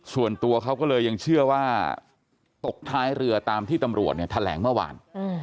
ส่วนตัวเขาก็เลยยังเชื่อว่าตกท้ายเรือตามที่ตำรวจเนี่ยแถลงเมื่อวาน